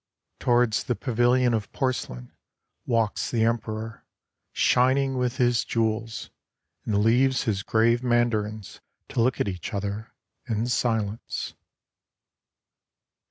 Towards the pavilion of porcelain walks the Emperor, shining with his jewels j and leaves his grave Mandarins to look at each other in silence.